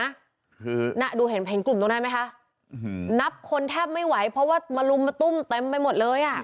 คือน่ะดูเห็นเห็นกลุ่มตรงนั้นไหมคะนับคนแทบไม่ไหวเพราะว่ามาลุมมาตุ้มเต็มไปหมดเลยอ่ะ